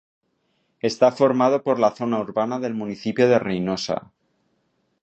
Está formado por la zona urbana del municipio de Reynosa